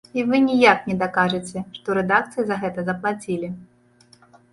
І вы ніяк не дакажаце, што рэдакцыі за гэта заплацілі.